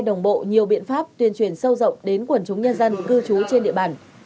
đồng bộ nhiều biện pháp tuyên truyền sâu rộng đến quần chúng nhân dân cư trú trên địa bàn